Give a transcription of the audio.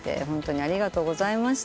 ありがとうございます。